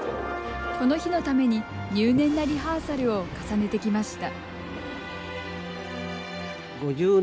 この日のために入念なリハーサルを重ねてきました。